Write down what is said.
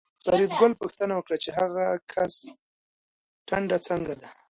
فریدګل پوښتنه وکړه چې د هغه کس ټنډه څنګه ده